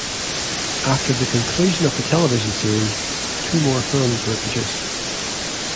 After the conclusion of the television series, two more films were produced.